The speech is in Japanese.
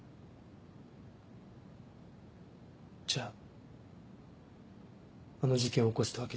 じゃああの事件を起こしたわけじゃ。